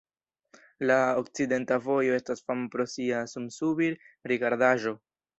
La okcidenta vojo estas fama pro sia sunsubir-rigardaĵo.